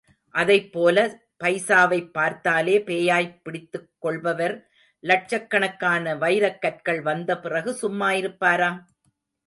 அதைப் போல, பைசாவைப் பார்த்தாலே பேயாய்ப்பிடித்துக் கொள்பவர், லட்சக் கணக்கான வைரக் கற்கள் வந்த பிறகு சும்மா இருப்பாரா?